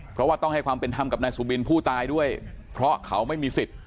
เพราะว่าต้องให้ความเป็นธรรมกับนายสุบินผู้ตายด้วยเพราะเขาไม่มีสิทธิ์